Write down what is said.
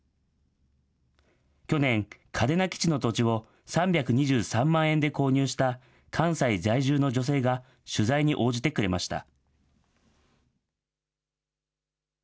去年、嘉手納基地の土地を、３２３万円で購入した関西在住の女性が取材に応じてくれました。